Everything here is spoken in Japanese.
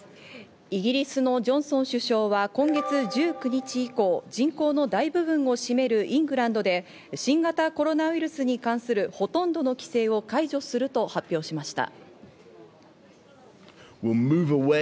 イギリスのジョンソン首相は今月１９日以降、人口の大部分を占めるイングランドで、新型コロナウイルスに関するほとんどの規制を解除すると発表しました。